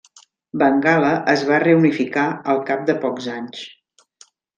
Bengala es va reunificar al cap de pocs anys.